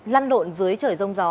lăn lộn dưới trời rông gió